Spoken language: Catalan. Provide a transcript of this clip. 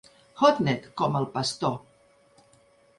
Hodnett com el pastor.